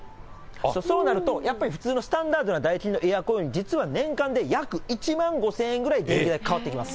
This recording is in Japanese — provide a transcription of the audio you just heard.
そうなるとやっぱり普通のスタンダードなダイキンのエアコンより実は年間で約１万５０００円ぐらい電気代変わってきます。